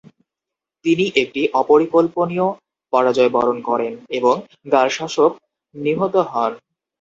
তিনি একটি অপরিকল্পনীয় পরাজয় বরণ করেন এবং গারশাসপ নিহত হন।